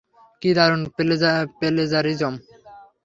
কী দারুণ প্লেজারিজম!